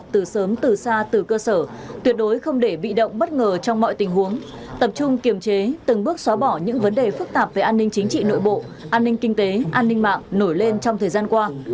từ sớm từ xa từ cơ sở tuyệt đối không để bị động bất ngờ trong mọi tình huống tập trung kiềm chế từng bước xóa bỏ những vấn đề phức tạp về an ninh chính trị nội bộ an ninh kinh tế an ninh mạng nổi lên trong thời gian qua